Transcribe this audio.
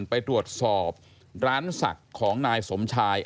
ไปตรวจสอบร้านศักดิ์ของนายสมชาย